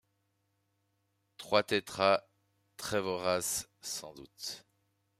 Trois tétras, très-voraces sans doute